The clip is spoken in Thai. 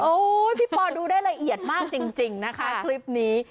โอ้ยว้าวพี่ปอดูได้ละเอยดมากจริงนะคะคลิปนี้